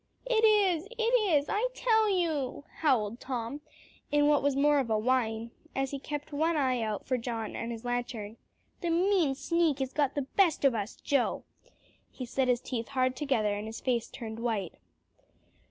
"It is it is, I tell you," howled Tom in what was more of a whine, as he kept one eye out for John and his lantern. "The mean sneak has got the best of us, Joe." He set his teeth hard together, and his face turned white.